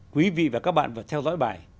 quý vị và các bạn vừa theo dõi bài